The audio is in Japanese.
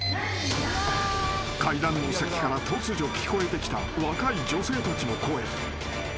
［階段の先から突如聞こえてきた若い女性たちの声］